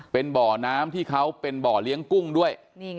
เป็นบ่อน้ำที่เขาเป็นบ่อเลี้ยงกุ้งด้วย